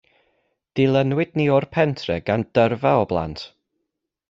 Dilynwyd ni o'r pentre gan dyrfa o blant.